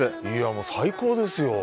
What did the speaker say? もう最高ですよ。